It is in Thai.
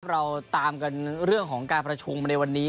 เราตามกันเรื่องของการประชุมในวันนี้